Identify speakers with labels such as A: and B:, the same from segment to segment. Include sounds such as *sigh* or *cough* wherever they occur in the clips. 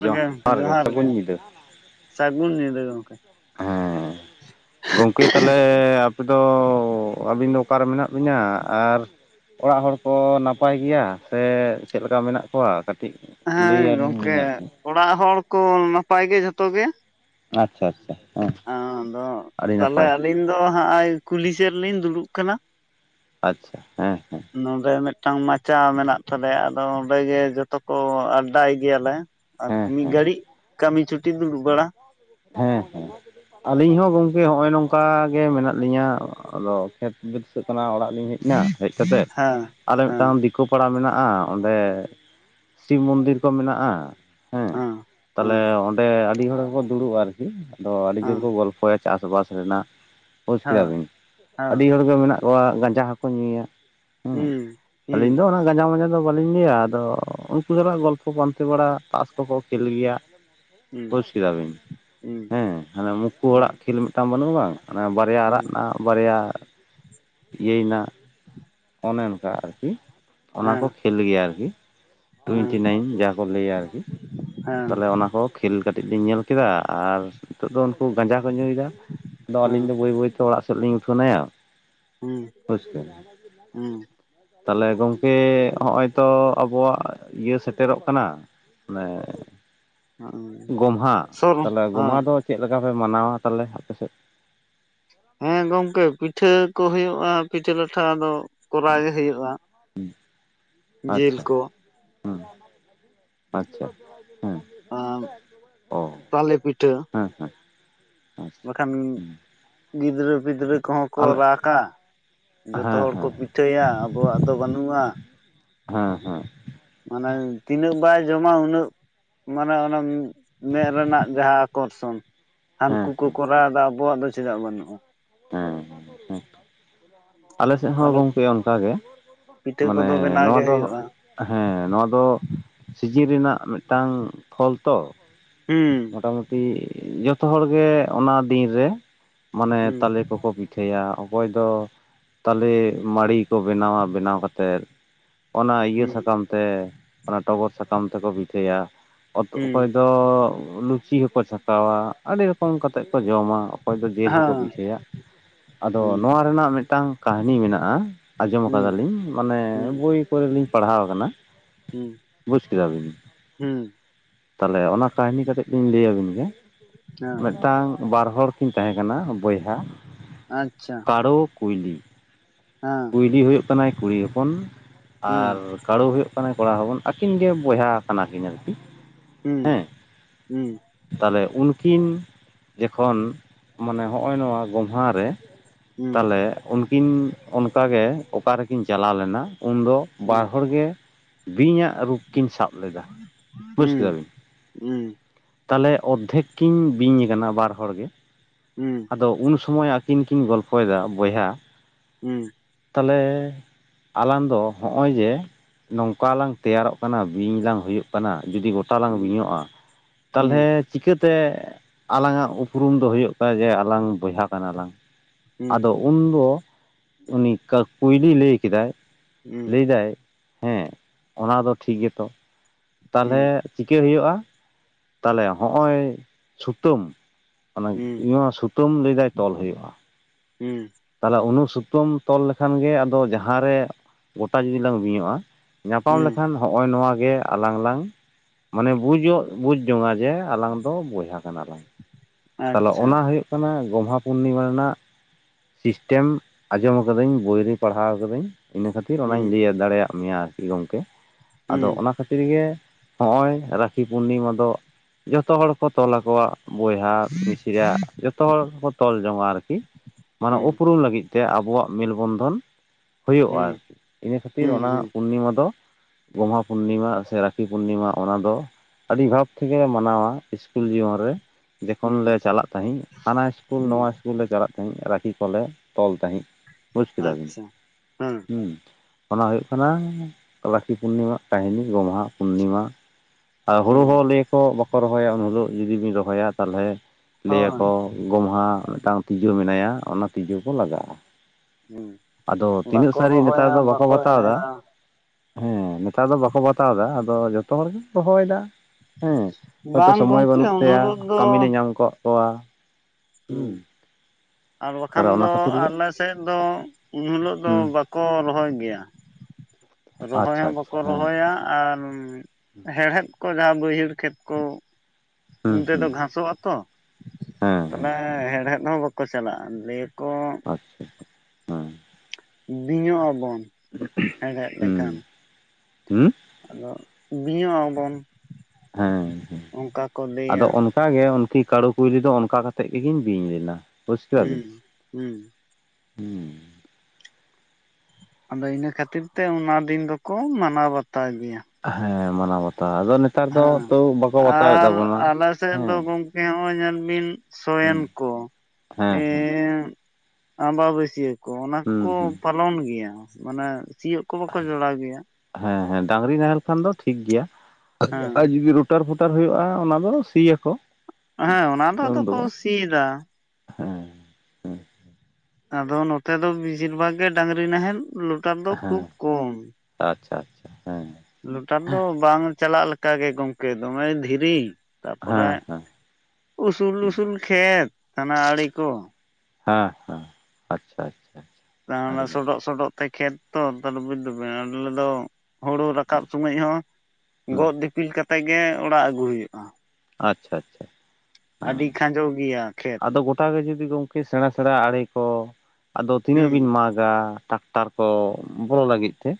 A: ᱡᱚᱦᱟᱨ ᱜᱮ, ᱡᱚᱦᱟᱨ ᱜᱮ, ᱥᱟᱹᱜᱩᱱ ᱧᱤᱫᱟᱹ ᱜᱚᱢᱠᱮ᱾
B: ᱦᱮᱸ ᱜᱚᱝᱠᱮ ᱛᱟᱦᱚᱞᱮ ᱟᱯᱮᱫᱚ ᱟᱹᱵᱤᱱ ᱫᱚ ᱚᱠᱟᱨᱮ ᱢᱮᱱᱟᱜ ᱵᱤᱱᱟ? ᱟᱨ ᱚᱲᱟᱜ ᱦᱚᱲ ᱠᱚ ᱱᱟᱯᱟᱭ ᱜᱮᱭᱟ ᱥᱮ ᱪᱮᱫ ᱞᱮᱠᱟ ᱢᱮᱱᱟᱜ ᱠᱚᱣᱟ? ᱠᱟᱹᱴᱤᱡ ᱞᱟᱹᱭ
A: ᱦᱮᱸ
B: ᱟᱹᱞᱤᱧ
A: ᱜᱚᱝᱠᱮ
B: ᱵᱤᱱ ᱟᱨᱠᱤ
A: ᱚᱲᱟᱜ ᱦᱚᱲ ᱠᱚ ᱱᱟᱯᱟᱭ ᱜᱮ ᱡᱷᱚᱛᱚ ᱜᱮ?
B: ᱟᱪᱪᱷᱟ ᱟᱪᱪᱷᱟ᱾ ᱦᱮᱸ
A: ᱟᱫᱚ
B: ᱟᱹᱰᱤ
A: ᱛᱟᱦᱚᱞᱮ
B: ᱱᱟᱯᱟᱭ
A: ᱟᱹᱞᱤᱧ ᱫᱚ ᱦᱟᱸᱜᱚᱭ ᱠᱩᱞᱦᱤ ᱥᱮᱫ ᱨᱮᱞᱤᱤᱧ ᱫᱩᱲᱩᱵ ᱠᱟᱱᱟ᱾
B: ᱟᱪᱪᱷᱟ ᱦᱮᱸ ᱦᱮᱸ ᱾
A: ᱱᱚᱸᱰᱮ ᱢᱤᱫᱴᱟᱝ ᱢᱟᱪᱟ ᱢᱮᱱᱟᱜ ᱛᱟᱞᱮᱭᱟ ᱟᱫᱚ ᱚᱸᱰᱮ ᱜᱮ ᱡᱚᱛᱚ ᱠᱚ ᱟᱰᱰᱟᱭ ᱜᱮᱭᱟᱞᱮ᱾ ᱟᱨ
B: ᱦᱮᱸ
A: ᱢᱤᱫ
B: ᱦᱮᱸ
A: ᱜᱷᱟᱹᱲᱤᱡ ᱠᱟᱹᱢᱤ ᱪᱷᱩᱴᱤ ᱫᱩᱲᱩᱵ ᱵᱟᱲᱟ᱾
B: ᱦᱮᱸ ᱦᱮᱸ ᱟᱹᱞᱤᱧ ᱦᱚᱸ ᱜᱚᱝᱠᱮ ᱱᱚᱜᱼᱚᱭ ᱱᱚᱝᱠᱟ ᱜᱮ ᱢᱮᱱᱟᱜ ᱞᱤᱧᱟᱹ᱾ ᱟᱫᱚ ᱠᱷᱮᱛ ᱵᱟᱹᱫ ᱥᱮᱫ ᱠᱷᱚᱱᱟᱜ ᱚᱲᱟᱜ ᱞᱤᱧ ᱦᱮᱡ ᱮᱱᱟ ᱦᱮᱡ ᱠᱟᱛᱮᱜ
A: ᱦᱮᱸ
B: ᱟᱞᱮ
A: ᱦᱮᱸ
B: ᱢᱤᱫᱴᱟᱝ ᱫᱤᱠᱩ ᱯᱟᱲᱟ ᱢᱮᱱᱟᱜ-ᱟ ᱚᱸᱰᱮ ᱥᱤᱵ ᱢᱚᱱᱫᱤᱨ ᱠᱚ ᱢᱮᱱᱟᱜᱼᱟ᱾ ᱦᱮᱸ ᱛᱟᱦᱚᱞᱮ ᱚᱸᱰᱮ ᱟᱹᱰᱤ ᱦᱚᱲᱠᱚ ᱫᱩᱲᱩᱵᱼᱟ ᱟᱨᱠᱤ ᱟᱫᱚ ᱟᱹᱰᱤ ᱡᱳᱨ
A: ᱦᱮᱸ
B: ᱠᱚ ᱜᱚᱞᱯᱚᱭᱟᱼᱼ ᱪᱟᱥᱵᱟᱥ ᱨᱮᱱᱟᱜ ᱵᱩᱡ ᱠᱮᱫᱤᱫᱟ
A: ᱦᱮᱸ
B: ᱵᱤᱱ
A: ᱦᱮᱸ
B: ᱟᱹᱰᱤ ᱦᱚᱲᱜᱮ ᱢᱮᱱᱟᱜ ᱼᱼ ᱛᱚᱣᱟ ᱜᱟᱸᱡᱟ ᱦᱚᱸᱠᱚ ᱧᱩᱭᱟᱸ
A: ᱦᱩᱸ ᱦᱩᱸ
B: ᱟᱹᱞᱤᱧ ᱫᱚ ᱚᱱᱟ ᱜᱟᱸᱡᱟ ᱢᱟᱡᱟ ᱫᱚ ᱫᱚ ᱵᱟᱹᱞᱤᱧ ᱞᱟᱹᱭᱟ ᱟᱫᱚ ᱩᱱᱠᱩ ᱥᱟᱟᱜ ᱜᱚᱞᱯᱚ ᱯᱟᱱᱛᱮ ᱵᱟᱲᱟ ᱛᱟᱥ ᱠᱚᱠᱚ ᱠᱷᱮᱞ ᱜᱮᱭᱟ᱾
A: ᱦᱩᱸ
B: ᱵᱩᱡᱽ ᱠᱮᱫᱟ ᱵᱤᱱ
A: ᱦᱩᱸ᱾
B: ᱦᱮᱸ ᱦᱟᱱᱮ ᱢᱩᱠᱷᱩ ᱦᱚᱲᱟᱜ
A: ᱦᱩᱸ
B: ᱠᱷᱮᱞ ᱢᱤᱫᱴᱟᱝ ᱵᱟᱹᱱᱩᱜᱼᱟ ᱵᱟᱝ ᱵᱟᱨᱭᱟ
A: ᱦᱩᱸ
B: ᱨᱟᱜ ᱨᱮᱱᱟᱜ ᱵᱟᱨᱭᱟ ᱤᱭᱟᱹᱭᱱᱟ ᱚᱱᱮ ᱚᱱᱠᱟ ᱟᱨᱠᱤ ᱚᱱᱟ ᱠᱚ
A: ᱦᱮᱸ
B: ᱠᱷᱮᱞ ᱜᱮᱭᱟ ᱟᱨᱠᱤ
A: ᱦᱮᱸ
B: ᱴᱩᱭᱮᱱᱴᱤ ᱱᱟᱭᱤᱱ ᱡᱟᱦᱟᱸ ᱠᱚ ᱞᱟᱹᱭᱟ ᱟᱨᱠᱤ
A: ᱦᱮᱸ
B: ᱛᱟᱞᱦᱮ ᱚᱱᱟ ᱠᱚ ᱠᱷᱮᱞ ᱠᱟᱹᱴᱤᱡ ᱞᱤᱧ ᱧᱮᱞ ᱠᱮᱫᱟ᱾ ᱟᱨ ᱱᱤᱛᱚᱜ ᱫᱚ ᱩᱱᱠᱩ ᱜᱟᱸᱡᱟ ᱠᱚ ᱧᱩᱭᱮᱫᱟ ᱟᱫᱚ
A: ᱦᱮᱸ
B: ᱟᱹᱞᱤᱧ ᱫᱚ ᱵᱟᱹᱭ ᱵᱟᱹᱭᱛᱮ ᱚᱲᱟᱜ ᱥᱮᱫ ᱞᱤᱧ ᱩᱴᱷᱟᱹᱱᱟᱭᱟ᱾
A: ᱦᱩᱸ᱾
B: ᱯᱚᱨᱤᱥᱠᱟᱨ᱾
A: ᱦᱩᱸ
B: ᱛᱟᱦᱚᱞᱮ ᱜᱚᱝᱠᱮ ᱦᱚᱜᱼᱚᱭ ᱛᱚ ᱟᱵᱚᱣᱟᱜ ᱤᱭᱟᱹ ᱥᱮᱴᱮᱨᱚᱜ ᱠᱟᱱᱟ᱾ ᱢᱟᱱᱮ
A: ᱦᱩᱸ
B: ᱜᱚᱢᱦᱟ
A: ᱥᱚᱨ
B: ᱛᱟᱦᱚᱞᱮ ᱜᱚᱢᱦᱟ
A: ᱦᱮᱸ
B: ᱫᱚ ᱪᱮᱫ ᱞᱮᱠᱟ ᱯᱮ ᱢᱟᱱᱟᱣᱟ ᱛᱟᱦᱚᱞᱮ ᱟᱯᱮᱥᱮᱫ?
A: ᱦᱮᱸ ᱜᱚᱝᱠᱮ ᱯᱤᱴᱷᱟᱹ ᱠᱚ ᱦᱩᱭᱩᱜᱼᱟ ᱯᱤᱴᱷᱟᱹ ᱞᱟᱴᱷᱟ ᱫᱚ ᱠᱚᱨᱟᱣ ᱜᱮ ᱦᱩᱭᱩᱜᱼᱟ᱾
B: ᱦᱮᱸ
A: ᱡᱤᱞ
B: ᱟᱪᱪᱷᱟ᱾
A: ᱠᱚ
B: ᱦᱮᱸ ᱟᱪᱪᱷᱟ ᱦᱮᱸ᱾ ᱚ
A: ᱛᱟᱞᱮ ᱯᱤᱴᱷᱟᱹ?
B: ᱦᱮᱸ ᱦᱮᱸ᱾ ᱟᱪᱪᱷᱟ
A: ᱵᱟᱠᱷᱟᱱ
B: ᱦᱮᱸ
A: ᱜᱤᱫᱽᱨᱟᱹ ᱯᱤᱫᱽᱨᱟᱹ ᱠᱚᱦᱚᱸ ᱠᱚ
B: ᱟᱞᱮ
A: ᱨᱟᱜᱟ ᱡᱚᱛᱚ
B: ᱦᱮᱸ
A: ᱦᱚᱲ ᱠᱚ
B: ᱦᱮᱸ
A: ᱯᱤᱴᱷᱟᱹᱭᱟ ᱟᱵᱚᱣᱟᱜ ᱫᱚ ᱵᱟᱹᱱᱩᱜᱼᱟ᱾
B: ᱦᱮᱸ ᱦᱮᱸ᱾
A: ᱢᱟᱱᱮ ᱛᱤᱱᱟᱹᱜ ᱵᱟᱭ ᱡᱚᱢᱟ ᱩᱱᱟᱹᱜ ᱢᱟᱱᱮ ᱚᱱᱟ ᱢᱮᱸᱫ ᱨᱮᱱᱟᱜ ᱡᱟᱦᱟᱸ ᱟᱠᱚᱨᱥᱚᱱ
B: ᱦᱮᱸ
A: ᱦᱟᱹᱱᱠᱩ ᱠᱚ ᱠᱚᱨᱟᱣᱫᱟ ᱟᱵᱚᱣᱟᱜ ᱫᱚ ᱪᱮᱫᱟᱜ ᱵᱟᱹᱱᱩᱜᱼᱟ?
B: ᱦᱮᱸ ᱦᱮᱸ ᱦᱮᱸ᱾ ᱟᱞᱮ ᱥᱮᱫ ᱦᱚᱸ
A: ᱛᱟᱦᱚᱞᱮ
B: ᱜᱚᱝᱠᱮ ᱚᱱᱠᱟᱜᱮ
A: ᱯᱤᱴᱷᱟᱹ
B: ᱢᱟᱱᱮ
A: ᱠᱚᱫᱚ ᱵᱮᱱᱟᱣ
B: ᱱᱚᱣᱟ
A: ᱜᱮ
B: ᱫᱚ
A: ᱦᱩᱭᱩᱜᱼᱟ
B: ᱦᱮᱸ ᱱᱚᱣᱟ ᱫᱚ ᱥᱤᱡᱤᱱ ᱨᱮᱱᱟᱜ ᱢᱤᱫᱴᱟᱝ ᱯᱷᱚᱞ ᱛᱚ
A: ᱦᱩᱸ
B: ᱢᱚᱴᱟᱢᱩᱴᱤ ᱡᱚᱛᱚ ᱦᱚᱲ ᱜᱮ ᱚᱱᱟ ᱫᱤᱱ ᱨᱮ ᱢᱟᱱᱮ
A: ᱦᱩᱸ
B: ᱛᱟᱞᱮ ᱠᱚᱠᱚ ᱯᱤᱴᱷᱟᱹᱭᱟ ᱚᱠᱚᱭ ᱫᱚ ᱛᱟᱞᱮ ᱢᱟᱹᱲᱤ ᱠᱚ ᱵᱮᱱᱟᱣᱟ ᱵᱮᱱᱟᱣ ᱠᱟᱛᱮᱫ ᱚᱱᱟ ᱤᱭᱟᱹ
A: ᱦᱩᱸ
B: ᱥᱟᱠᱟᱢ ᱛᱮ ᱚᱱᱟ ᱴᱚᱜᱚᱨ ᱥᱟᱠᱟᱢ ᱛᱮᱠᱚ ᱵᱤᱴᱷᱟᱹᱭᱟ ᱚᱠᱚᱭ ᱫᱚ?
A: ᱦᱩᱸ
B: ᱚᱠᱚ ᱫᱚ ᱞᱩᱪᱤ ᱦᱚᱸᱠᱚ ᱪᱷᱟᱠᱟᱣᱟ ᱟᱹᱰᱤ ᱨᱚᱠᱚᱢ ᱠᱟᱛᱮ ᱠᱚ ᱡᱚᱢᱟ ᱚᱠᱚᱭ ᱫᱚ ᱡᱤᱞ ᱦᱚᱸᱠᱚ
A: ᱦᱮᱸ
B: ᱯᱤᱴᱷᱟᱭᱟ᱾ ᱯᱤᱴᱷᱟᱭᱟ ᱟᱫᱚ
A: ᱦᱩᱸ
B: ᱱᱚᱣᱟ ᱨᱮᱱᱟᱜ ᱢᱤᱫᱴᱟᱝ ᱠᱟᱹᱦᱱᱤ ᱢᱮᱱᱟᱜᱼᱟ᱾ ᱟᱸᱡᱚᱢ
A: ᱦᱩᱸ
B: ᱠᱟᱫᱟᱞᱤᱧ ᱢᱟᱱᱮ ᱵᱳᱭ ᱠᱚᱨᱮ ᱞᱤᱧ ᱯᱟᱲᱦᱟᱣ ᱟᱠᱟᱱᱟ
A: ᱦᱩᱸ
B: ᱵᱩᱡᱽ ᱠᱮᱫᱟ ᱵᱤᱱ
A: ᱦᱩᱸ
B: ᱛᱟᱦᱚᱞᱮ ᱚᱱᱟ ᱠᱟᱹᱦᱱᱤ ᱠᱟᱛᱮᱫ ᱞᱤᱧ ᱞᱟᱹᱭᱟᱵᱤᱱ ᱜᱮ
A: ᱦᱮᱸ
B: ᱢᱤᱫᱴᱟᱝ ᱵᱟᱨ ᱦᱚᱲ ᱠᱤᱱ ᱛᱟᱦᱮᱸ ᱠᱟᱱᱟ ᱵᱚᱭᱦᱟ ᱦᱟᱼᱼ
A: ᱟᱪᱪᱷᱟ᱾
B: ᱠᱟᱨᱚ ᱠᱩᱭᱞᱤ᱾
A: ᱦᱟᱸ᱾
B: ᱠᱩᱭᱤ ᱦᱩᱭᱩᱜ ᱠᱟᱱᱟᱭ ᱠᱩᱲᱤ ᱦᱚᱯᱚᱱ ᱟᱨ
A: ᱦᱩᱸ
B: ᱠᱟᱲᱩ ᱦᱩᱭᱩᱜ ᱠᱟᱱᱟᱭ ᱠᱚᱲᱟ ᱦᱚᱯᱚᱱ ᱟᱹᱠᱤᱱ ᱜᱮ ᱵᱚᱭᱦᱟ ᱠᱟᱱᱟᱠᱤᱱ ᱟᱨᱠᱤ᱾
A: ᱦᱩᱸ ᱦᱩᱸ᱾
B: ᱛᱟᱦᱞᱮ ᱩᱱᱠᱤᱱ ᱡᱚᱠᱷᱚᱱ ᱢᱟᱱᱮ ᱱᱚᱜᱚᱭ ᱱᱚᱣᱟ ᱜᱚᱢᱦᱟᱨᱮ᱾
A: ᱦᱩᱸ
B: ᱛᱟᱦᱞᱮ ᱩᱱᱠᱤᱱ ᱚᱱᱠᱟᱜᱮ ᱚᱠᱟ ᱨᱮᱠᱤᱱ ᱪᱟᱞᱟᱣ ᱞᱮᱱᱟ ᱩᱱᱫᱚ ᱵᱟᱨ
A: ᱦᱩᱸ ᱦᱩᱸ
B: ᱦᱚᱲ ᱵᱤᱧᱟᱜ ᱨᱩᱯ ᱠᱤᱱ ᱞᱮᱫᱟ ᱵᱩᱡᱽ ᱠᱮᱫᱟ
A: ᱦᱩᱸ
B: ᱵᱤᱱ᱾
A: ᱦᱩᱸ᱾
B: ᱛᱟᱦᱚᱞᱮ ᱚᱨᱫᱷᱮᱠ ᱠᱤᱧ ᱵᱤᱧ ᱟᱠᱟᱱᱟ ᱵᱟᱨ ᱦᱚᱲ ᱜᱮ
A: ᱦᱩᱸ᱾
B: ᱟᱫᱚ ᱩᱱ ᱥᱚᱢᱟᱹᱭ ᱟᱹᱠᱤᱱ ᱠᱤᱱ ᱜᱚᱞᱯᱚᱭᱮᱫᱟ ᱵᱚᱭᱦᱟ
A: ᱦᱩᱸ᱾
B: ᱛᱟᱞᱦᱮ ᱟᱞᱟᱝ ᱫᱚ ᱦᱚᱜᱼᱚᱭ ᱡᱮ ᱱᱚᱝᱠᱟ ᱛᱮᱭᱟᱨᱚᱜ ᱵᱤᱧ ᱞᱟᱝ ᱦᱩᱭᱩᱜ ᱠᱟᱱᱟ ᱡᱩᱫᱤ ᱜᱚᱴᱟ ᱞᱟᱝ
A: ᱦᱩᱸ
B: ᱵᱤᱧᱚᱜᱼᱟ
A: ᱦᱩᱸ
B: ᱛᱟᱦᱚᱞᱮ
A: ᱦᱩᱸ
B: ᱪᱤᱠᱟᱹᱛᱮ ᱟᱞᱟᱝᱟᱜ ᱩᱯᱨᱩᱢ ᱫᱚ ᱦᱳᱭᱳᱜ ᱡᱮ ᱟᱞᱟᱝ ᱵᱚᱭᱦᱟ ᱠᱟᱱᱟ ᱞᱟᱝ ᱟᱫᱚ ᱩᱱ ᱫᱚ ᱩᱱᱤ ᱠᱩᱭᱞᱤᱭ ᱞᱟᱹᱭ ᱠᱮᱫᱟᱭ ᱞᱟᱹᱭᱫᱟᱭ ᱦᱮᱸ ᱚᱱᱟ ᱫᱚ ᱴᱷᱤᱠ ᱜᱮᱛᱚ ᱛᱟᱞᱦᱮ ᱪᱤᱠᱟᱹ ᱦᱳᱭᱳᱜᱼᱟ? ᱛᱟᱞᱦᱮ ᱦᱚᱜᱚᱭ ᱥᱩᱛᱟᱹᱢ ᱢᱮ
A: ᱦᱩᱸ ᱦᱩᱸ
B: ᱥᱩᱛᱟᱹᱢ ᱞᱟᱹᱭᱫᱟᱭ ᱛᱚᱞ ᱦᱳᱭᱳᱜᱼᱟ᱾
A: ᱦᱩᱸ᱾
B: ᱛᱟᱦᱚᱞᱮ ᱥᱩᱛᱟᱹᱢ ᱛᱚᱞ ᱞᱮᱠᱷᱟᱱ ᱟᱫᱚ ᱡᱟᱦᱟᱸᱨᱮ ᱜᱚᱴᱟ ᱡᱩᱫᱤ ᱞᱟᱝ ᱵᱤᱧᱚᱜᱼᱟ᱾ ᱧᱟᱯᱟᱢ
A: ᱦᱩᱸ
B: ᱞᱮᱠᱷᱟᱱ ᱦᱚᱜᱼᱚᱭ ᱱᱚᱣᱟᱣᱟᱜ ᱜᱮ ᱟᱞᱟᱝ ᱞᱟᱝ ᱢᱟᱱᱮ ᱵᱩᱡᱚᱜ ᱵᱩᱡᱽ ᱡᱚᱝᱼᱟ ᱡᱮ ᱟᱞᱟᱝ ᱫᱚ ᱵᱚᱭᱦᱟ ᱠᱟᱱᱟᱞᱟᱝ᱾ ᱛᱟᱦᱚᱞᱮ
A: ᱟᱪᱪᱷᱟ
B: ᱚᱱᱟ ᱦᱩᱭᱩᱜ ᱠᱟᱱᱟ ᱜᱚᱢᱦᱟ ᱯᱩᱨᱱᱤᱢᱟ ᱨᱮᱱᱟᱜ ᱥᱤᱥᱴᱮᱢ ᱟᱸᱡᱚᱢ ᱟᱠᱟᱫᱟᱹᱧ ᱯᱟᱲᱦᱟᱣ ᱟᱠᱟᱫᱟᱹᱧ᱾ ᱤᱱᱟᱹ ᱠᱷᱟᱹᱛᱤᱨ ᱚᱱᱟᱧ
A: ᱦᱩᱸ
B: ᱞᱟᱹᱭ ᱫᱟᱲᱮᱭᱟᱜ ᱢᱮᱭᱟ ᱟᱨᱠᱤ ᱜᱚᱢᱠᱮ ᱟᱫᱚ
A: ᱦᱩᱸ
B: ᱚᱱᱟ ᱠᱷᱟᱹᱛᱤᱨ ᱜᱮ ᱦᱚᱜᱚᱭ ᱨᱟᱠᱷᱤ ᱯᱩᱨᱱᱤᱢᱟ ᱫᱚ ᱡᱚᱛᱚ ᱦᱚᱲ ᱠᱚ ᱛᱚᱞᱚᱣᱟ ᱵᱚᱭᱦᱟ ᱢᱤᱥᱨᱟ ᱡᱚᱛᱚ ᱦᱚᱲ ᱠᱚ ᱛᱚᱞ ᱡᱚᱝᱟ ᱟᱨᱠᱤ ᱢᱟᱱᱮ
A: ᱦᱩᱸ
B: ᱩᱯᱨᱩᱢ ᱞᱟᱹᱜᱤᱜ᱾ ᱛᱮ ᱟᱵᱚᱣᱟᱜ ᱢᱮᱞ ᱵᱚᱱᱫᱷᱚᱱ ᱦᱩᱭᱩᱜᱼᱟ
A: ᱦᱩᱸ
B: ᱟᱨᱠᱤ ᱤᱱᱟᱹ ᱠᱷᱟᱹᱛᱤᱨ ᱚᱱᱟ
A: ᱦᱩᱸ
B: ᱯᱩᱨᱱᱤᱢᱟ ᱫᱚ ᱜᱚᱢᱦᱟ ᱯᱩᱨᱱᱤᱢᱟ ᱥᱮ ᱨᱟᱠᱷᱤ ᱯᱩᱨᱱᱤᱢᱟ ᱚᱱᱟ ᱫᱚ ᱟᱹᱰᱤ ᱵᱷᱟᱵᱽ ᱛᱷᱮᱠᱮᱞᱮ ᱢᱟᱱᱟᱣᱟ ᱤᱥᱠᱩᱞ ᱡᱤᱭᱚᱱ ᱨᱮ᱾ ᱛᱚᱠᱷᱚᱱ
A: ᱦᱩᱸ
B: ᱞᱮ
A: ᱦᱩᱸ
B: ᱪᱟᱞᱟᱜ ᱛᱟᱸᱦᱤᱜ ᱦᱟᱱᱟ ᱤᱥᱠᱩᱞ
A: ᱦᱩᱸ
B: ᱱᱚᱣᱟ ᱤᱥᱠᱩᱞ ᱞᱮ ᱪᱟᱞᱟᱜ ᱛᱟᱸᱦᱤᱜ ᱨᱟᱹᱠᱷᱤ ᱠᱚᱞᱮ ᱛᱚᱞ ᱛᱟᱸᱦᱤᱜ ᱾ ᱵᱩᱡᱽ ᱠᱮᱫᱟ ᱵᱤᱱ
A: ᱟᱪᱪᱷᱟ ᱦᱮᱸ
B: ᱦᱩᱸ᱾ ᱚᱱᱟ ᱦᱩᱭᱩᱜ ᱠᱟᱱᱟ᱾ ᱨᱟᱠᱷᱤ ᱯᱩᱨᱱᱤᱢᱟ, ᱠᱟᱦᱤᱱᱤ ᱜᱚᱢᱦᱟ ᱯᱩᱛᱱᱤᱢᱟ᱾ ᱟᱨ ᱦᱩᱲᱩ
A: ᱦᱮᱸ
B: ᱦᱚᱸ ᱞᱟᱹᱭ ᱟᱠᱚ ᱵᱟᱠᱚ ᱨᱚᱦᱚᱭᱟ᱾ ᱩᱱ ᱦᱤᱞᱳ ᱡᱩᱫᱤ ᱵᱤᱱ ᱨᱚᱦᱚᱭᱟ᱾ ᱛᱟᱦᱚᱞᱮ ᱞᱟᱹᱭ ᱟᱠᱚ
A: ᱦᱳᱭ
B: ᱜᱚᱢᱦᱟ ᱢᱤᱫᱴᱟᱝ ᱛᱤᱡᱩ ᱢᱮᱱᱟᱭᱟ, ᱚᱱᱟ ᱛᱤᱡᱩ ᱠᱚ ᱞᱟᱜᱟᱜᱼᱟ᱾
A: ᱦᱩᱸ᱾
B: ᱟᱫᱚ ᱛᱤᱱᱟᱹᱜ
A: ᱵᱟᱠᱚ
B: ᱥᱟᱹᱨᱤ ᱱᱮᱛᱟᱨ
A: ᱨᱚᱦᱚᱭᱟ
B: ᱫᱚ ᱵᱟᱠᱚ ᱵᱟᱛᱟᱣ ᱫᱟ
A: ᱦᱮᱲᱦᱮᱫᱟ
B: ᱦᱮᱸ ᱱᱮᱛᱟᱨ ᱫᱚ ᱵᱟᱠᱚ ᱵᱟᱛᱟᱣ ᱫᱟ᱾ ᱟᱫᱚ ᱡᱚᱛᱚ ᱦᱚᱲ ᱜᱮᱠᱚ ᱨᱚᱦᱚᱭ ᱫᱟ᱾ ᱦᱮᱸ ᱦᱚᱭᱛᱚ
A: ᱵᱟᱝ
B: ᱥᱚᱢᱚᱭ
A: ᱜᱚᱝᱠᱮ
B: ᱵᱟᱹᱱᱩᱜ
A: ᱩᱱ
B: ᱛᱟᱭᱟ,
A: ᱦᱤᱞᱳᱜ ᱫᱚ
B: ᱠᱟᱹᱢᱮ ᱧᱟᱢ ᱠᱟᱜ ᱠᱚᱣᱟ ᱦᱩᱸ᱾
A: ᱦᱮᱸ ᱟᱨ ᱵᱟᱠᱷᱟᱱ
B: ᱛᱟᱦᱚᱞᱮ ᱚᱱᱟ
A: ᱫᱚ
B: ᱠᱷᱟᱹᱛᱤᱨ ᱜᱮ
A: ᱟᱞᱮ ᱥᱮᱫ ᱫᱚ ᱩᱱᱦᱤᱞᱳᱜ ᱫᱚ
B: ᱦᱩᱸ
A: ᱵᱟᱠᱚ ᱨᱚᱦᱚᱭ ᱜᱮᱭᱟ᱾ ᱨᱚᱦᱚᱭ
B: ᱟᱪᱪᱷᱟ
A: ᱦᱚᱸ
B: ᱟᱪᱪᱷᱟ
A: ᱵᱟᱠᱚ
B: ᱦᱮᱸ
A: ᱨᱚᱦᱚᱭᱟ ᱟᱨ ᱦᱮᱲᱦᱮᱫ ᱠᱚ ᱡᱟᱦᱟᱸ ᱵᱟᱹᱭᱦᱟᱹᱲ ᱠᱷᱮᱛ ᱠᱚ ᱚᱱ
B: ᱦᱩᱸ
A: ᱛᱮᱫᱚ
B: ᱦᱩᱸ
A: ᱜᱷᱟᱸᱥᱚᱜ ᱟᱛᱚ,
B: ᱦᱮᱸ ᱦᱮᱸ
A: ᱛᱟᱦᱞᱮ ᱦᱮᱲᱦᱮᱫ ᱦᱚᱸ ᱵᱟᱝ ᱠᱚ ᱠᱚ ᱪᱟᱞᱟᱜᱼᱟ᱾ ᱞᱟᱹᱭ ᱟᱠᱚ
B: ᱟᱪᱪᱷᱟ *inaudible*
A: ᱵᱤᱧᱚᱜ ᱟᱵᱚᱱ, *unintelligible* ᱞᱮᱠᱷᱟᱱ᱾
B: ᱦᱩᱸ ᱦᱩᱸ
A: ᱟᱫᱚ ᱵᱤᱧᱚᱜ ᱟᱵᱚᱱ᱾
B: ᱦᱮᱸ ᱦᱮᱸ,
A: ᱚᱱᱠᱟ ᱠᱚ
B: ᱟᱫᱚ
A: ᱞᱟᱹᱭᱟ
B: ᱚᱱ ᱠᱟ ᱜᱮ ᱩᱱᱠᱤ ᱠᱟᱲᱩ ᱠᱩᱭᱞᱤ ᱫᱚ ᱚᱱᱠᱟ ᱠᱟᱛᱮᱫ ᱜᱮᱵᱤᱱ ᱵᱤᱧ ᱞᱮᱱᱟ, ᱵᱩᱡᱽ ᱠᱮᱫᱟ ᱵᱤᱱ᱾
A: ᱦᱩᱸ ᱦᱩᱸ
B: ᱦᱩᱸ᱾
A: ᱟᱫᱚ ᱤᱱᱟᱹ ᱠᱷᱟᱹᱛᱤᱨ ᱛᱮ ᱚᱱᱟ ᱫᱤᱱ ᱫᱚᱠᱚ ᱢᱟᱱᱟᱣ ᱵᱟᱛᱟᱣ ᱜᱮᱭᱟ᱾
B: ᱦᱮᱸ ᱢᱟᱱᱟᱣ ᱵᱟᱛᱟᱣ᱾ ᱟᱫᱚ ᱱᱮᱛᱟᱨ ᱫᱚ
A: ᱦᱮᱸ
B: ᱛᱟᱣ ᱵᱟᱠᱚ ᱵᱟᱛᱟᱣ ᱮᱫᱟ ᱛᱟᱵᱚᱱᱟ ᱦᱮᱸ᱾
A: ᱦᱮᱸ ᱦᱚᱸᱜᱼᱚᱭ ᱧᱮᱞ ᱵᱤᱱ ᱥᱚᱭᱮᱱ
B: ᱦᱩᱸ
A: ᱠᱚ,
B: ᱦᱮᱸ ᱦᱮᱸ
A: ᱮᱸᱻ ᱟᱺᱵᱟᱵᱟᱹᱥᱤᱭᱟ ᱠᱚ, ᱚᱱᱟ
B: ᱦᱩᱸ
A: ᱠᱚᱠᱚ
B: ᱦᱩᱸ
A: ᱯᱟᱞᱚᱱ ᱜᱮᱭᱟ, ᱢᱟᱱᱮ ᱥᱤᱭᱚᱜ ᱠᱚ ᱵᱟᱠᱚ ᱡᱚᱲᱟᱣ ᱜᱮᱭᱟ᱾
B: ᱦᱮᱸ ᱦᱮᱸ ᱰᱟᱹᱝᱨᱤ ᱱᱟᱦᱮᱞ ᱠᱷᱟᱱ ᱫᱚ ᱴᱷᱤᱠ ᱜᱮᱭᱟ,
A: ᱦᱮᱸ
B: ᱟᱨ ᱡᱩᱫᱤ ᱨᱩ ᱴᱟᱨ ᱯᱷᱩᱴᱟᱨ ᱦᱩᱭᱩᱜᱼᱟ, ᱚᱱᱟ ᱫᱚ ᱫᱤ ᱭᱟᱠᱚ᱾
A: ᱚᱱᱟ, ᱚᱱᱟ ᱫᱚ ᱟᱫᱚ ᱠᱚ ᱥᱤ ᱮᱫᱟ᱾
B: ᱦᱮᱸ ᱦᱮᱸ
A: ᱟᱫᱚ ᱱᱚᱛᱮ ᱫᱚ ᱵᱤᱥᱤᱨ ᱵᱷᱟᱜᱽ ᱜᱮ ᱰᱟᱹᱝᱨᱤ ᱱᱟᱦᱮᱞ, ᱞᱚᱴᱟᱨ ᱫᱚ ᱠᱷᱩᱵ
B: ᱦᱮᱸ
A: ᱠᱚᱢ᱾
B: ᱟᱪᱪᱷᱟ ᱟᱪᱪᱷᱟ ᱦᱮᱸ᱾
A: ᱞᱚᱴᱟᱨ ᱫᱚ ᱵᱟᱝ ᱪᱟᱞᱟᱜ ᱞᱮᱠᱟ ᱜᱮ ᱜᱚᱝᱠᱮ ᱫᱚᱢᱮ ᱫᱷᱤᱨᱤ ᱛᱟᱯᱚᱨᱮ,
B: ᱦᱮᱸ ᱦᱮᱸ
A: ᱩᱥᱩᱞ ᱩᱥᱩᱞ ᱠᱷᱮᱛ ᱦᱟᱱᱟ ᱟᱲᱮ ᱠᱚ᱾
B: ᱦᱮᱸ ᱦᱮᱸ, ᱟᱪᱪᱷᱟ ᱟᱪᱪᱷᱟ᱾
A: *inaudible* ᱚᱱᱟ
B: ᱟᱹᱰᱤ ᱱᱟᱯᱟᱭ
A: ᱥᱚᱰᱚᱜ ᱥᱚᱰᱚᱜ ᱛᱮ ᱠᱷᱮᱛ ᱛᱚ, ᱛᱟᱦᱚᱞᱮ ᱟᱞᱮ ᱫᱚ ᱦᱩᱲᱩ ᱨᱟᱠᱟᱵ ᱥᱚᱢᱚᱭ ᱦᱚᱸ,
B: ᱦᱩᱸ
A: ᱜᱚᱫ ᱫᱤᱯᱤᱞ ᱠᱟᱛᱮᱫ ᱜᱮ ᱚᱲᱟᱜ ᱟᱹᱜᱩ ᱦᱩᱭᱩᱜᱼᱟ᱾
B: ᱟᱪᱪᱷᱟ ᱟᱪᱪᱷᱟ᱾
A: ᱟᱹᱰᱤ
B: ᱦᱮᱸ
A: ᱠᱷᱟᱸᱡᱚ ᱜᱮᱭᱟ ᱠᱷᱮᱛ
B: ᱟᱫᱚ ᱜᱚᱴᱟ ᱜᱮ ᱡᱩᱫᱤ ᱜᱚᱝᱠᱮ ᱥᱮᱬᱟ- ᱥᱮᱬᱟ ᱟᱲᱮ ᱠᱚ, ᱟᱫᱚ ᱛᱤᱱᱟᱹᱜ
A: ᱦᱩᱸ
B: ᱵᱤᱱ ᱢᱟᱜᱽ ᱜᱟ ᱴᱟᱠᱴᱟᱨ ᱠᱚ ᱵᱚᱞᱚ ᱞᱟᱹᱜᱤᱫ ᱛᱮ᱾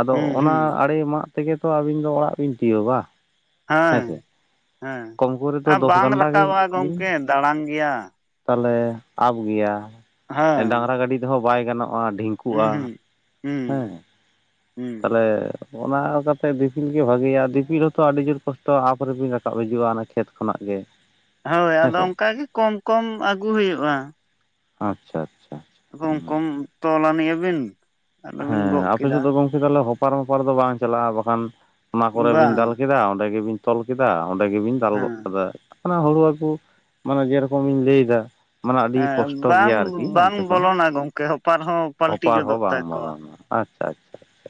B: ᱟᱫᱚ
A: ᱦᱩᱸ
B: ᱚᱱᱟ
A: ᱦᱩᱸ
B: ᱟᱲᱮ ᱢᱟᱜ ᱛᱮᱜᱮ ᱛᱚ ᱟᱵᱤᱱ ᱫᱚ ᱚᱲᱟᱜ ᱵᱤᱱ ᱛᱤᱭᱚᱜᱟ᱾
A: ᱦᱮᱸ ᱦᱮᱸ,
B: ᱠᱚᱢ ᱠᱚᱨᱮ ᱫᱚ
A: ᱟᱨ
B: ᱫᱚᱥ
A: ᱵᱟᱝ
B: ᱜᱟᱱᱰᱟ ᱜᱮ
A: ᱨᱟᱠᱟᱵᱟ
B: ᱵᱤᱱ
A: ᱜᱚᱝᱠᱮ ᱫᱟᱬᱟᱱ ᱜᱮᱭᱟ᱾
B: ᱛᱟᱦᱚᱞᱮ ᱟᱯ ᱜᱮᱭᱟ, ᱰᱟᱹᱝᱨᱟ ᱜᱟᱹᱰᱤ ᱛᱮᱦᱚᱸ ᱵᱟᱭ ᱜᱟᱱᱚᱜᱼᱟ, ᱰᱷᱤᱝ
A: ᱦᱩᱸ ᱦᱩᱸ, ᱦᱩᱸ ᱦᱩᱸ᱾
B: ᱛᱮ ᱚᱱᱟ ᱠᱟᱛᱮ ᱫᱤᱯᱤᱞ ᱜᱮ ᱵᱷᱟᱜᱤᱭᱟ ᱫᱤᱯᱤᱞ ᱦᱚᱸᱛᱚ ᱟᱹᱰᱤ ᱡᱳᱨ ᱠᱚᱥᱴᱚ ᱟᱯ ᱨᱮᱵᱤᱱ ᱨᱟᱠᱟᱵ ᱦᱤᱡᱩᱜᱼᱟ, ᱚᱱᱟ ᱠᱷᱮᱛ ᱠᱚᱱᱟᱜ ᱜᱮ᱾
A: ᱦᱳᱭ ᱟᱫᱚ
B: ᱦᱮᱸᱥᱮ
A: ᱚᱝᱠᱟ ᱜᱮ ᱠᱚᱢ ᱠᱚᱢ ᱟᱹᱜᱩ ᱦᱩᱭᱩᱜᱼᱟ᱾
B: ᱟᱪᱪᱷᱟ ᱟᱪᱪᱷᱟ᱾ ᱦᱮᱸ
A: ᱠᱚᱢ ᱛᱚᱞ ᱟᱱᱤᱜ ᱟᱵᱤᱱ᱾
B: ᱦᱮᱸ ᱟᱯᱮ ᱥᱮᱫ ᱫᱚ ᱜᱚᱝᱠᱮ ᱛᱟᱦᱚᱞᱮ ᱦᱚᱯᱟᱨ ᱢᱚᱯᱟᱨ ᱫᱚ ᱵᱟᱝ ᱪᱟᱞᱟᱜᱼᱟ ᱵᱟᱠᱷᱟᱱ, ᱚᱱᱟ ᱠᱚᱨᱮ ᱵᱤᱱ
A: ᱵᱟᱝ
B: ᱫᱟᱞ ᱠᱮᱫᱟ, ᱚᱸᱰᱮ ᱜᱮᱵᱤᱱ ᱛᱚᱞ ᱠᱮᱫᱟ, ᱚᱸᱰᱮ ᱜᱮᱵᱤᱱ ᱫᱟᱞ
A: ᱦᱮᱸ
B: ᱜᱚᱫ ᱠᱮᱫᱟ᱾ ᱚᱱᱟ ᱦᱩᱲᱩ ᱟᱜᱩ, ᱢᱟᱱᱮ ᱡᱮᱨᱚᱠᱚᱢ ᱞᱤᱧ ᱞᱟᱹᱭ ᱮᱫᱟ᱾ ᱢᱟᱱᱮ ᱟᱹᱰᱤ
A: ᱦᱮᱸ
B: ᱠᱚᱥᱴᱚ
A: ᱵᱟᱝ
B: ᱜᱮᱭᱟ ᱟᱨᱠᱤ
A: ᱵᱟᱝ
B: ᱚᱱᱛᱮ ᱠᱷᱚᱱ,
A: ᱵᱚᱞᱚᱱᱟ ᱜᱚᱢᱠᱮ ᱦᱚᱯᱟᱨ ᱦᱚᱸ ᱯᱟᱞᱴᱤ
B: ᱦᱚᱯᱟᱨ ᱦᱚᱸ
A: ᱜᱚᱫᱚᱜ
B: ᱵᱟᱝ,
A: ᱛᱟᱠᱚᱣᱟ
B: ᱵᱚᱞᱚᱱᱟ ᱟᱪᱪᱷᱟ ᱟᱪᱪᱷᱟ᱾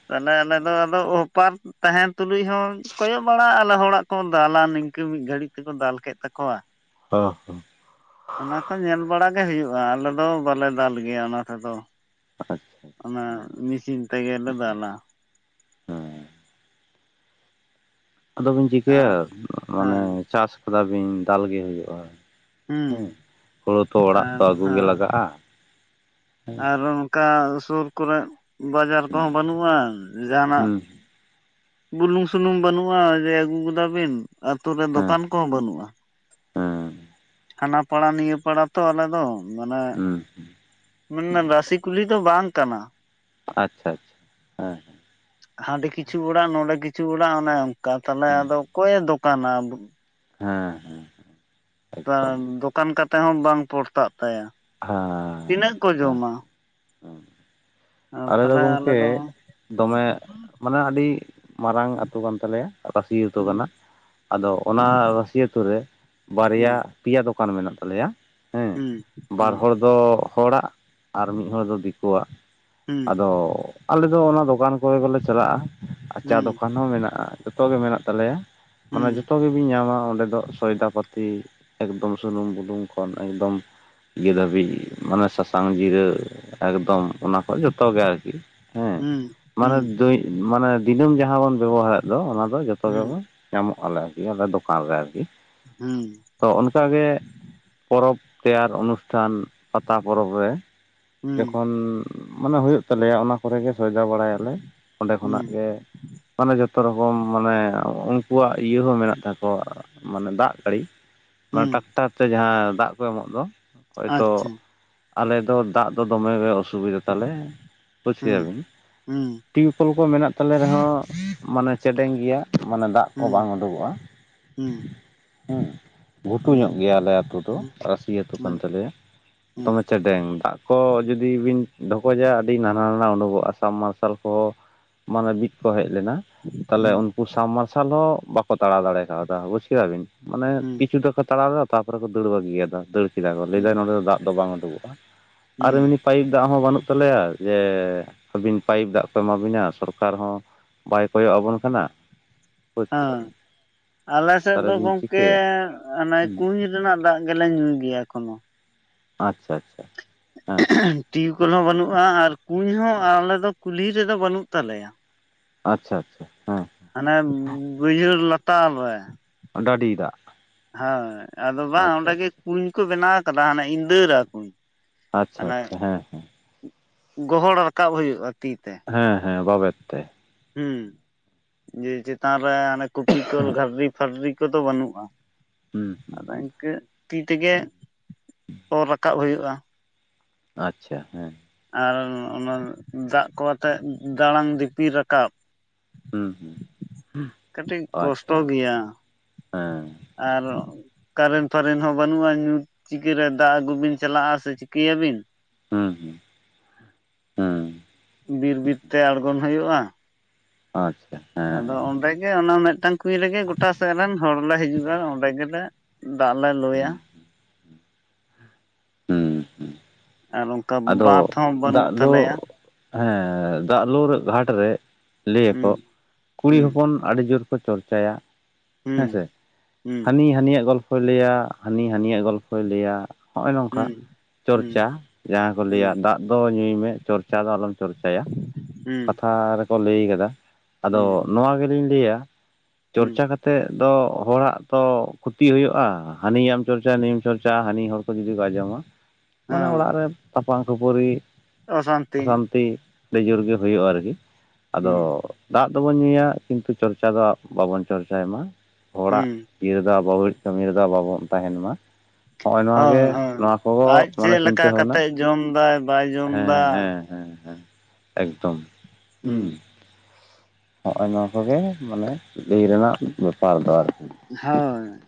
A: ᱛᱟᱦᱚᱞᱮ ᱟᱞᱮ ᱫᱚ ᱟᱫᱚ ᱦᱚᱯᱟᱨ ᱛᱟᱦᱮᱸᱱ ᱛᱩᱞᱩᱡ ᱦᱚᱸ ᱠᱚᱭᱚᱜ ᱵᱟᱲᱟᱜ ᱟᱞᱮ ᱦᱚᱲᱟᱜ ᱠᱚ ᱫᱟᱞᱟ ᱱᱤᱝᱠᱟᱹ ᱢᱤᱫ ᱜᱷᱟᱹᱲᱤᱡ ᱛᱮᱠᱚ ᱫᱟᱞ ᱠᱮᱫ ᱛᱟᱠᱚᱣᱟ᱾
B: ᱚ ᱦᱚ᱾
A: ᱚᱱᱟ ᱠᱚ ᱧᱮᱞ ᱵᱟᱲᱟ ᱜᱮ ᱦᱩᱭᱩᱜ-ᱟ, ᱟᱞᱮ ᱫᱚ ᱵᱟᱞᱮ ᱫᱟᱞ ᱜᱮᱭᱟ ᱚᱱᱟ ᱛᱮᱫᱚ᱾
B: ᱟᱪᱪᱷᱟ ᱟᱪᱪᱷᱟ
A: ᱚᱱᱟ
B: ᱦᱮᱸ
A: ᱢᱮᱥᱤᱱ ᱛᱮᱜᱮᱞᱮ ᱫᱟᱞ
B: ᱦᱮᱸ ᱟᱫᱚ ᱵᱤᱱ ᱪᱤᱠᱟᱹᱭᱟ
A: ᱟᱨ
B: ᱢᱟᱱᱮ
A: ᱦᱮᱸ
B: ᱪᱟᱥ ᱠᱟᱫᱟ ᱵᱤᱱ ᱫᱟᱞ ᱜᱮ ᱦᱩᱭᱩᱜ-ᱟ᱾
A: ᱦᱩᱸ
B: ᱦᱮᱸ, ᱦᱳᱲᱳ ᱛᱚ ᱚᱲᱟᱜ
A: ᱟᱨ
B: ᱫᱚ ᱟᱹᱜᱩ ᱜᱮ
A: ᱦᱮᱸ
B: ᱞᱟᱜᱟᱜᱼᱟ᱾ ᱦᱮᱸ
A: ᱟᱨ ᱚᱱᱠᱟ ᱥᱩᱨ ᱠᱚᱨᱮ᱾ ᱵᱟᱡᱟᱨ ᱠᱚᱦᱚᱸ ᱵᱟᱹᱱᱩᱜᱼᱟ ᱡᱟᱦᱟᱱᱟᱜ
B: ᱦᱮᱸ
A: ᱵᱩᱞᱩᱝ ᱥᱩᱱᱩᱢ ᱵᱟᱹᱱᱩᱜᱼᱟ ᱡᱮ ᱟᱹᱜᱩ ᱜᱚᱫᱟ ᱵᱤᱱ ᱟᱛᱩ ᱨᱮ
B: ᱦᱮᱸ
A: ᱫᱚᱠᱟᱱ ᱠᱚᱦᱚᱸ ᱵᱟᱹᱱᱩᱜᱼᱟ
B: ᱦᱮᱸ
A: ᱦᱟᱱᱟ ᱯᱟᱲᱟ ᱱᱤᱭᱟᱹ ᱯᱟᱲᱟ ᱛᱚ ᱟᱞᱮ ᱫᱚ ᱢᱟᱱᱮ
B: ᱦᱩᱸ ᱦᱩᱸ᱾
A: ᱢᱟᱱᱮ ᱨᱟᱥᱤ ᱠᱩᱞᱦᱤ ᱫᱚ ᱵᱟᱝ ᱠᱟᱱᱟ᱾
B: ᱟᱪᱪᱷᱟ ᱟᱪᱪᱷᱟ ᱦᱮᱸ᱾
A: ᱦᱟᱸᱰᱮ ᱠᱤᱪᱷᱩ ᱚᱲᱟᱜ ᱱᱚᱸᱰᱮ ᱠᱤᱪᱷᱩ ᱚᱲᱟᱜ ᱚᱱᱮ ᱚᱱᱠᱟ ᱛᱟᱦᱚᱞᱮ
B: ᱦᱮᱸ
A: ᱟᱫᱚ ᱚᱠᱚᱭ ᱮ ᱫᱚᱠᱟᱱᱟ᱾
B: ᱦᱮᱸ᱾ ᱮᱠᱫᱚᱢ
A: ᱫᱚᱠᱟᱱ ᱠᱟᱛᱮ ᱦᱚᱸ ᱵᱟᱝ ᱯᱚᱲᱛᱟᱜ ᱛᱟᱭᱟ᱾
B: ᱦᱮᱸ᱾
A: ᱛᱤᱱᱟᱹᱜ ᱠᱚ
B: ᱦᱮᱸ
A: ᱡᱚᱢᱟ!
B: ᱦᱮᱸ ᱟᱞᱮ ᱫᱚ
A: ᱛᱟᱦᱚᱞᱮ ᱫᱚ
B: ᱜᱚᱢᱠᱮ ᱫᱚᱢᱮ ᱢᱟᱱᱮ ᱟᱹᱰᱤ ᱢᱟᱨᱟᱝ ᱟᱹᱛᱩ ᱠᱟᱱ ᱛᱟᱞᱮᱭᱟ ᱨᱟᱹᱥᱤ ᱟᱹᱛᱩ
A: ᱦᱩᱸ
B: ᱠᱟᱱᱟ᱾ ᱟᱫᱚ ᱚᱱᱟ ᱨᱟᱹᱥᱤ ᱟᱹᱛᱩ ᱨᱮ ᱵᱟᱨᱭᱟ
A: ᱦᱩᱸ
B: ᱯᱮᱭᱟ ᱫᱚᱠᱟᱱ ᱢᱮᱱᱟᱜ ᱛᱟᱞᱮᱭᱟ᱾ ᱦᱮᱸ
A: ᱦᱩᱸ
B: ᱵᱟᱨ
A: ᱦᱩᱸ᱾
B: ᱦᱚᱲ ᱫᱚ ᱦᱚᱲᱟᱜ ᱟᱨ ᱢᱤᱫ ᱦᱚᱲ ᱫᱚ ᱫᱤᱠᱩᱣᱟᱜ᱾
A: ᱦᱩᱸ
B: ᱟᱫᱚ ᱟᱞᱮ ᱫᱚ ᱚᱱᱟ ᱫᱚᱠᱟᱱ ᱠᱚᱨᱮ ᱜᱮᱞᱮ ᱪᱟᱞᱟᱜᱼᱟ ᱟᱨ ᱪᱟ
A: ᱦᱩᱸ
B: ᱫᱚᱠᱟᱱ ᱦᱚᱸ ᱢᱮᱱᱟᱜᱼᱟ᱾ ᱡᱚᱛᱚ ᱜᱮ ᱢᱮᱱᱟᱜ ᱛᱟᱞᱮᱭᱟ ᱢᱟᱱᱮ
A: ᱦᱩᱸ
B: ᱡᱚᱛᱚ ᱜᱤ ᱵᱤᱱ ᱧᱟᱢᱟ ᱚᱸᱰᱮ ᱫᱚ ᱥᱚᱭᱫᱟ ᱯᱟᱹᱛᱤ ᱮᱠᱫᱚᱢ ᱥᱩᱱᱩᱢ ᱵᱩᱞᱩᱝ ᱠᱷᱚᱱ ᱮᱠᱫᱚᱢ᱾ ᱤᱭᱟᱹ ᱫᱷᱟᱹᱵᱤᱡ ᱢᱟᱱᱮ ᱥᱟᱥᱟᱝ ᱡᱤᱨᱟᱹ ᱮᱠᱫᱚᱢ ᱚᱱᱟ ᱠᱷᱚᱡ ᱡᱚ ᱛᱚ ᱜᱮ ᱟᱨᱠᱤ ᱦᱮᱸ
A: ᱦᱩᱸ
B: ᱢᱟᱱᱮ
A: ᱦᱩᱸ ᱦᱩᱸ
B: ᱫᱳᱭ ᱢᱟᱱᱮ ᱫᱤᱱᱟᱹᱢ ᱡᱟᱦᱟᱸ ᱵᱚᱱ ᱵᱮᱵᱚᱦᱟᱨᱮᱫ ᱫᱚ ᱚᱱᱟ ᱫᱚ ᱡᱚᱛᱚ
A: ᱦᱩᱸ
B: ᱜᱮᱵᱚᱱ ᱧᱟᱢᱚᱜ ᱟᱞᱮ ᱟᱨᱠᱤ ᱟᱞᱮ ᱫᱚᱠᱟᱱ ᱨᱮ ᱟᱨᱠᱤ᱾
A: ᱦᱩᱸ᱾
B: ᱛᱚ ᱚᱱᱠᱟ ᱜᱮ ᱯᱚᱨᱚᱵᱽ ᱛᱮᱭᱟᱨ ᱚᱱᱩᱥᱴᱷᱟᱱ ᱯᱟᱛᱟ ᱯᱚᱨᱚᱵᱽ ᱨᱮ᱾
A: ᱦᱩᱸ ᱦᱩᱸ
B: ᱡᱚᱠᱷᱚᱱ ᱢᱟᱱᱮ ᱦᱩᱭᱩᱜ ᱛᱟᱞᱮᱭᱟ ᱚᱱᱟ᱾ ᱠᱚᱨᱮ ᱜᱮ ᱥᱚᱭᱫᱟ ᱵᱟᱲᱟᱭᱟᱞᱮ ᱚᱸᱰᱮ ᱠᱷᱚᱱᱟᱜ
A: ᱦᱩᱸ
B: ᱜᱮ᱾ ᱢᱟᱱᱮ ᱡᱚᱛᱚ ᱨᱚᱠᱚᱢ ᱢᱟᱱᱮ ᱩᱱᱠᱩᱣᱟᱜ ᱤᱭᱟᱹ ᱦᱚᱸ ᱢᱮᱱᱟᱜ ᱛᱟᱠᱚᱣᱟ᱾ ᱢᱟᱱᱮ ᱫᱟᱜ ᱜᱟᱹᱲᱤ᱾ ᱢᱟᱱᱮ
A: ᱦᱩᱸ
B: ᱴᱨᱟᱠᱴᱟᱨ ᱛᱮ ᱡᱟᱦᱟᱸ ᱫᱟᱜ ᱠᱚ ᱮᱢᱚᱜ ᱫᱚ ᱦᱚᱭᱛᱳ
A: ᱟᱪᱪᱷᱟ
B: ᱟᱞᱮ ᱫᱚ ᱫᱟᱜ ᱫᱚ ᱫᱚᱢᱮ ᱜᱮ ᱚᱥᱩᱵᱤᱫᱷᱟ ᱛᱟᱞᱮ ᱵᱩᱡ ᱠᱮᱫᱟ
A: ᱦᱩᱸ
B: ᱵᱤᱱ᱾
A: ᱦᱩᱸ
B: ᱴᱤᱭᱩᱠᱚᱞ ᱠᱚ ᱢᱮᱱᱟᱜ ᱛᱟᱞᱮ ᱨᱮᱦᱚᱸ ᱢᱟᱱᱮ ᱪᱮᱰᱮᱝ ᱜᱮᱭᱟ᱾ ᱢᱟᱱᱮ ᱫᱟᱜ ᱠᱚ
A: ᱦᱩᱸ
B: ᱵᱟᱝ ᱩᱰᱩᱠᱚᱜᱼᱟ
A: ᱦᱩᱸ
B: ᱦᱮᱸ᱾ ᱜᱷᱩᱴᱩ
A: ᱦᱩᱸ ᱦᱩᱸ
B: ᱧᱚᱜ ᱜᱮᱭᱟ ᱟᱞᱮ ᱟᱹᱛᱩ ᱫᱚ
A: ᱦᱩᱸ
B: ᱨᱟᱹᱥᱤ ᱟᱹᱛᱩ ᱠᱟᱱ
A: ᱦᱩᱸ
B: ᱛᱟᱞᱮᱭᱟ, ᱫᱚᱢᱮ
A: ᱦᱩᱸ
B: ᱪᱮᱰᱮᱝ ᱫᱟᱜ ᱠᱚ ᱡᱩᱫᱤ ᱵᱤᱱ ᱰᱷᱚᱠᱡᱟ ᱟᱹᱰᱤ ᱱᱟᱱᱟ ᱱᱟᱱᱟ ᱩᱰᱩᱠᱚᱜᱼᱟ ᱥᱟᱵ ᱢᱟᱨᱥᱟᱞ ᱠᱚᱦᱚᱸ ᱢᱟᱱᱮ ᱵᱤᱫ ᱠᱚ ᱦᱮᱡ ᱞᱮᱱᱟ᱾ ᱛᱟᱦᱞᱮ
A: ᱦᱩᱸ
B: ᱩᱱᱠᱩ ᱥᱟᱵ ᱢᱟᱨᱥᱟᱞ ᱦᱚᱸ ᱵᱟᱠᱚ ᱛᱟᱲᱟᱣ ᱫᱟᱲᱮ ᱠᱟᱣᱫᱟ ᱵᱩᱡ ᱠᱮᱫᱟ ᱵᱤᱱ᱾ ᱢᱟᱱᱮ ᱠᱤᱪᱷᱩ ᱫᱚᱠᱚ ᱛᱟᱲᱟᱣᱫᱟ ᱛᱟᱯᱚᱨᱮ ᱠᱚ ᱫᱟᱹᱲ ᱵᱟᱹᱜᱤᱭᱟᱫᱟ ᱫᱟᱹᱲ ᱠᱮᱫᱟ ᱠᱚ ᱞᱟᱹᱭ ᱫᱟᱭ
A: ᱦᱩᱸ ᱦᱩᱸ
B: ᱱᱚᱰᱮ ᱫᱚ ᱫᱟᱜ ᱫᱚ ᱵᱟᱝ ᱩᱰᱩᱠᱚᱜᱼᱟ ᱟᱨ
A: ᱦᱮᱸ
B: ᱮᱢᱱᱤ ᱯᱟᱭᱤᱯ ᱫᱟᱜ ᱦᱚᱸ ᱵᱟᱹᱱᱩᱜ ᱛᱟᱞᱮᱭᱟ ᱡᱮ ᱟᱹᱵᱤᱱ ᱯᱟᱭᱤᱯ ᱫᱟᱜ ᱠᱚ ᱮᱢᱟ ᱵᱤᱱᱟ ᱥᱚᱨᱠᱟᱨ ᱦᱚᱸ ᱵᱟᱭ ᱠᱚᱭᱚᱜ ᱟᱵᱚᱱ ᱠᱟᱱᱟ ᱾
A: ᱦᱮᱸ ᱟᱞᱮ ᱥᱮᱫ
B: ᱛᱟᱦᱚᱞᱮ
A: ᱫᱚ
B: ᱵᱤᱱ
A: ᱜᱚᱝᱠᱮ
B: ᱪᱤᱠᱟᱹᱭᱟ
A: ᱚᱱᱮ
B: ᱦᱩᱸ
A: ᱠᱩᱧ ᱠᱩᱧ ᱨᱮᱱᱟᱜ ᱫᱟᱜ ᱜᱮᱞᱮ ᱧᱩᱭ ᱜᱮᱭᱟ ᱮᱠᱷᱚᱱᱳ ᱾
B: ᱟᱪᱪᱷᱟ ᱟᱪᱪᱷᱟ ᱾
A: ᱴᱤᱭᱩᱠᱚᱞ ᱦᱚᱸ ᱵᱟᱹᱱᱩᱜ-ᱟ ᱟᱨ ᱠᱩᱧ ᱦᱚᱸ ᱟᱨ ᱟᱞᱮ ᱫᱚ ᱠᱩᱞᱦᱤ ᱨᱮᱫᱚ ᱵᱟᱹᱱᱩᱜ ᱛᱟᱞᱮᱭᱟ᱾
B: ᱟᱪᱪᱷᱟ ᱟᱪᱪᱷᱟ ᱦᱮᱸ᱾
A: ᱦᱟᱱᱮ ᱵᱟᱹᱭᱦᱟᱹᱲ ᱞᱟᱛᱟᱨ ᱨᱮ᱾
B: ᱰᱟᱹᱰᱤ ᱫᱟᱜ᱾
A: ᱦᱳᱭ ᱟᱫᱚ ᱵᱟᱝ ᱚᱸᱰᱮ
B: ᱟᱪᱪᱷᱟ
A: ᱜᱮ
B: ᱟᱪᱪᱷᱟ
A: ᱠᱩᱧ ᱠᱚ ᱵᱮᱱᱟᱣ ᱠᱟᱫᱟ ᱦᱟᱱᱮ ᱤᱫᱟᱹᱨᱟ ᱠᱩᱧ᱾
B: ᱟᱪᱪᱷᱟ
A: ᱦᱟᱱᱮ
B: ᱟᱪᱪᱷᱟ ᱦᱮᱸ ᱦᱮᱸ᱾
A: ᱜᱚᱦᱚᱲ ᱨᱟᱠᱟᱵ ᱦᱩᱭᱩᱜ-ᱟ ᱛᱤ ᱛᱮ᱾
B: ᱦᱮᱸ ᱦᱮᱸ ᱵᱟᱵᱮᱨ ᱛᱮ᱾
A: ᱦᱩᱸ ᱡᱮ ᱪᱮᱛᱟᱱ ᱨᱮ ᱦᱟᱱᱮ ᱠᱚᱯᱤᱠᱚᱞ ᱜᱟᱨᱰᱨᱤ-ᱯᱷᱟᱨᱰᱤ ᱠᱚᱫᱚ ᱵᱟᱹᱱᱩᱜ-ᱟ
B: ᱦᱩᱸ ᱦᱩᱸ
A: ᱟᱫᱚ ᱤᱱᱠᱟᱹ ᱛᱤ ᱛᱮᱜᱮ ᱚᱨ ᱨᱟᱠᱟᱵ ᱦᱩᱭᱩᱜ-ᱟ᱾
B: ᱟᱪᱪᱷᱟ ᱦᱮᱸ᱾
A: ᱟᱨ ᱚᱱᱟ ᱫᱟᱜ ᱠᱚ ᱟᱛᱮᱫ ᱫᱟᱬᱟᱱ ᱫᱤᱯᱤᱞ ᱨᱟᱠᱟᱵ᱾
B: ᱦᱩᱸ ᱦᱩᱸ
A: ᱠᱟᱹᱴᱤᱡ ᱠᱚᱥᱴᱚ
B: ᱟᱪᱪᱷᱟ
A: ᱜᱮᱭᱟ᱾
B: ᱦᱮᱸ
A: ᱟᱨᱚ ᱠᱟᱨᱮᱱ ᱯᱷᱟᱨᱮᱱ ᱦᱚᱸ ᱵᱟᱹᱱᱩᱜ-ᱟ ᱧᱩᱛ, ᱪᱤᱠᱟᱹᱨᱮ ᱫᱟᱜ ᱟᱹᱜᱩ ᱵᱤᱱ ᱪᱟᱞᱟᱜ-ᱟ ᱥᱮ ᱪᱤᱠᱟᱹᱭᱟᱵᱤᱱ?
B: ᱦᱩᱸ ᱦᱩᱸ, ᱦᱩᱸ᱾
A: ᱵᱤᱨ ᱵᱤᱨ ᱛᱮ ᱟᱲᱜᱚᱱ ᱦᱳᱭᱳᱜ-ᱟ᱾
B: ᱟᱪᱪᱷᱟ ᱦᱮᱸ᱾
A: ᱟᱫᱚ ᱚᱸᱰᱮᱜᱮ ᱚᱱᱟ ᱢᱤᱫᱴᱟᱝ ᱠᱩᱧ ᱨᱮᱜᱮ ᱜᱚᱴᱟ ᱥᱮᱫ ᱨᱮᱱ ᱦᱚᱲ ᱞᱮ ᱦᱤᱡᱩᱜ-ᱟ, ᱚᱸᱰᱮ ᱜᱮᱞᱮ ᱫᱟᱜ ᱞᱮ ᱞᱩᱭᱟ᱾
B: ᱦᱩᱸ ᱦᱩᱸ ᱦᱩᱸ
A: ᱟᱨ ᱚᱱᱠᱟ
B: ᱟᱫᱚ
A: ᱵᱟᱸᱫ ᱦᱚᱸ ᱵᱟᱹᱱᱩᱜ
B: ᱫᱟᱜ ᱫᱚ
A: ᱛᱟᱞᱮᱭᱟ
B: ᱦᱮᱸ ᱫᱟᱜ ᱞᱳᱨ ᱜᱷᱟᱴ ᱨᱮ ᱞᱟᱹᱭᱟᱠᱚ
A: ᱦᱩᱸ
B: ᱠᱩᱲᱤ
A: ᱦᱩᱸ
B: ᱦᱚᱯᱚᱱ ᱟᱹᱰᱤ ᱡᱳᱨ ᱠᱚ ᱪᱚᱨᱪᱟᱭᱟ ᱦᱮᱸᱥᱮ
A: ᱦᱩᱸ ᱦᱩᱸ
B: ᱦᱟᱹᱱᱤ ᱦᱟᱹᱱᱤᱭᱟᱜ ᱜᱚᱞᱯᱚᱭ, ᱞᱟᱹᱭᱟ ᱦᱟᱹᱱᱤ ᱦᱟᱹᱱᱤᱭᱟᱜ ᱜᱚᱞᱯᱚᱭ ᱞᱟᱹᱭᱟ᱾ ᱦᱚᱸᱜ-ᱚᱭ ᱱᱚᱝᱠᱟ
A: ᱦᱩᱸ ᱦᱩᱸ
B: ᱪᱚᱨᱪᱟ ᱡᱟᱦᱟᱸ
A: ᱦᱩᱸ
B: ᱞᱟᱹᱭᱟ ᱫᱟᱜ ᱫᱚ ᱧᱩᱭᱢᱮ ᱪᱚᱨᱪᱟ ᱫᱚ ᱟᱞᱚᱢ ᱪᱚᱨᱪᱟᱭᱟ᱾
A: ᱦᱩᱸ
B: ᱠᱟᱛᱷᱟ ᱨᱮᱠᱚ ᱞᱟᱹᱭ ᱠᱟᱫᱟ
A: ᱦᱩᱸ
B: ᱟᱫᱚ ᱱᱚᱣᱟ ᱜᱮᱞᱤᱧ ᱞᱟᱹᱭᱟ
A: ᱦᱩᱸ
B: ᱪᱚᱨᱪᱟ ᱠᱟᱛᱮ ᱛᱮᱫ ᱫᱚ ᱦᱚᱲᱟᱜ ᱛᱚ ᱠᱷᱚᱛᱤ ᱦᱩᱭᱩᱜ-ᱟ ᱦᱟᱹᱱᱤᱭᱟᱜ ᱮᱢ ᱪᱚᱨᱪᱟ ᱱᱩᱭᱟᱢ ᱪᱚᱨᱪᱟᱭᱟ ᱦᱟᱹᱱᱤ ᱦᱚᱲ ᱠᱚ ᱡᱩᱫᱤ ᱠᱚ ᱟᱸᱡᱚᱢᱟ ᱢᱟᱱᱮ
A: ᱦᱮᱸ
B: ᱚᱲᱟᱜ ᱨᱮ ᱛᱟᱯᱟᱝ ᱠᱷᱟᱹᱯᱟᱹᱨᱤ ᱚᱥᱟᱱᱛᱤ ᱟᱹᱰᱤ ᱡᱳᱨ ᱜᱮ ᱦᱩᱭᱩᱜ-ᱟ ᱟᱨᱠᱤ
A: ᱦᱩᱸ
B: ᱟᱫᱚ ᱫᱟᱜ ᱫᱚᱵᱚᱱ ᱧᱩᱭᱟ ᱠᱤᱱᱛᱩ ᱪᱚᱨᱪᱟ ᱫᱚ ᱵᱟᱵᱚᱱ ᱪᱚᱨᱪᱟᱭ ᱢᱟ᱾ ᱦᱚᱲᱟᱜ
A: ᱦᱩᱸ
B: ᱤᱭᱟᱹ ᱨᱮᱫᱚ *unintelligible* ᱠᱟᱹᱢᱤ ᱨᱮᱫᱚ ᱵᱟᱵᱚᱱ ᱛᱟᱦᱮᱱ ᱢᱟ᱾ ᱦᱚᱜ-ᱚᱭ ᱱᱚᱣᱟ ᱜᱮ
A: ᱦᱳᱭ ᱦᱳᱭ
B: ᱱᱚᱣᱟ ᱠᱚᱫᱚ
A: ᱟᱡ
B: ᱢᱟᱱᱮ
A: ᱪᱮᱫ
B: ᱪᱤᱱᱛᱟᱹ
A: ᱞᱮᱠᱟ
B: ᱵᱷᱟᱵᱽᱱᱟ
A: ᱠᱟᱛᱮᱜ ᱡᱚᱢ ᱫᱟᱭ ᱵᱟᱭ ᱡᱚᱢ ᱫᱟ
B: ᱦᱮᱸ ᱦᱮᱸ ᱦᱮᱸ᱾ ᱮᱠᱫᱚᱢ ᱦᱩᱸ᱾ ᱦᱚᱸᱜ-ᱚᱭ ᱱᱚᱣᱟ ᱠᱚᱜᱮ ᱢᱟᱱᱮ ᱞᱟᱹᱭ ᱨᱮᱱᱟᱜ ᱵᱮᱯᱟᱨ ᱫᱚ ᱟᱨᱠᱤ᱾
A: ᱦᱳᱭ᱾